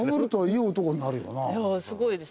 いやあすごいですね。